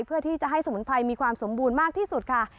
เพื่อที่จะให้สมุนไพรมีความสมบูรณ์มากที่สุดค่ะ